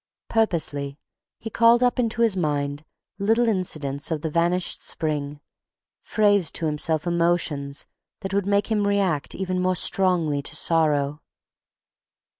Purposely he called up into his mind little incidents of the vanished spring, phrased to himself emotions that would make him react even more strongly to sorrow.